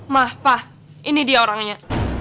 mah pak ini dia orangnya